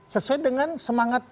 sesuai dengan semangat